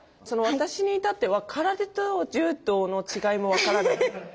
私にいたっては空手と柔道の違いも分からない。